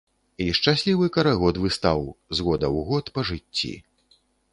І шчаслівы карагод выстаў, з года ў год, па жыцці.